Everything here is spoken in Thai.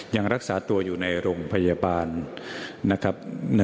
ยังรักษาตัวอยู่ในโรงพยาบาลนะครับ